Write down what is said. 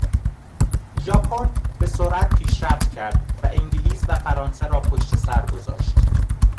ژاپن به سرعت پیشرفت کرد وانگلیس و فرانسه را پشتسر گذاشت.